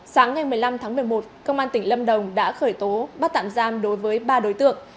sáng ngày một mươi năm tháng một mươi một công an tỉnh lâm đồng đã khởi tố bắt tạm giam đối với ba đối tượng